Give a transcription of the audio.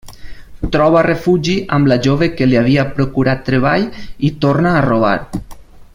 Troba refugi amb la jove que li havia procurat treball i torna a robar.